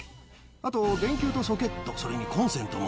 あと、電球とソケット、それにコンセントも。